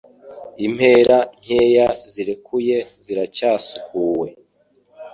Impera nkeya zirekuye ziracyasukuwe.